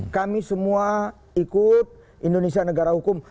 kami semua ikut indonesia negara hukum